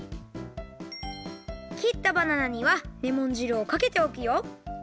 きったバナナにはレモン汁をかけておくよ。